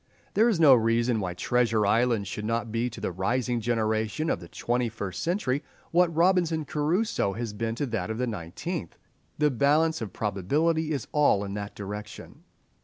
There is no reason why "Treasure Island" should not be to the rising generation of the twenty first century what "Robinson Crusoe" has been to that of the nineteenth. The balance of probability is all in that direction.